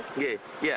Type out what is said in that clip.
sungai kayak gini deh